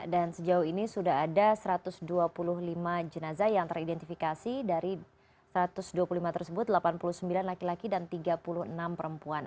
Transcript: dan sejauh ini sudah ada satu ratus dua puluh lima jenazah yang teridentifikasi dari satu ratus dua puluh lima tersebut delapan puluh sembilan laki laki dan tiga puluh enam perempuan